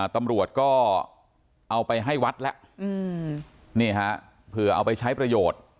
ตำรวจก็เอาไปให้วัดแล้วนี่ฮะเผื่อเอาไปใช้ประโยชน์